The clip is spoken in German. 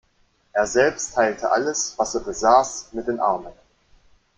Er selbst teilte alles, was er besaß, mit den Armen.